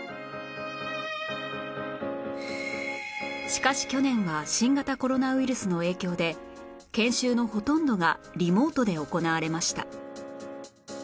しかし去年は新型コロナウイルスの影響で研修のほとんどがリモートで行われました